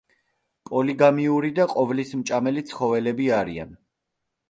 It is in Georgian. პოლიგამიური და ყოვლისმჭამელი ცხოველები არიან.